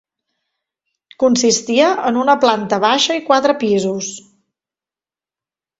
Consistia en una planta baixa i quatre pisos.